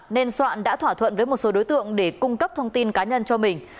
nên soạn đã thỏa thuận với một số đối tượng để cung cấp thông tin cá nhân cho mình